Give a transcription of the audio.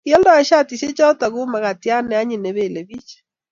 kioldoi shatishek choto ku makatiat neanyin nebelei biich